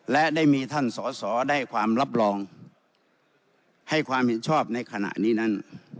และได้มีท่านสอสอได้ความรับรองให้ความเห็นชอบในขณะนี้นั้น